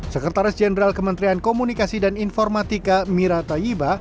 sekretaris jenderal kementerian komunikasi dan informatika mira tayyiba